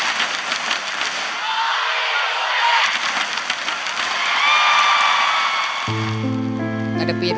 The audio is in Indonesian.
kami dukung kami dukung